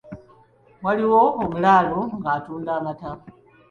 Waliwo omulaalo ng’atunda amata.